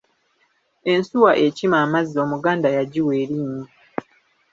Ensuwa ekima amazzi omuganda yagiwa erinnya .